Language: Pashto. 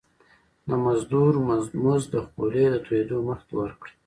د مزدور مزد د خولي د تويدو مخکي ورکړی.